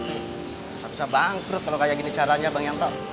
bisa bisa bangkrut kalau kayak gini caranya bang yanto